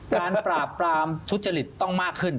การปราบปรามทุจริตต้องมากขึ้น